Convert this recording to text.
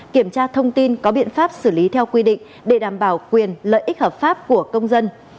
kiểm tra thông tin có biện pháp xử lý theo quy định để đảm bảo quyền lợi ích hợp pháp của công dân